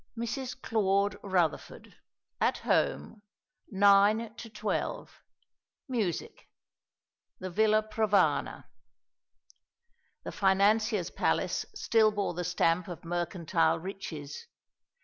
"Mrs. Claude Rutherford, at home, 9 to 12. Music. "The Villa Provana." The financier's palace still bore the stamp of mercantile riches.